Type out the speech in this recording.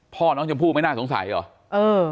พ่อน้องชมพู่ไม่น่าสงสัยเหรอ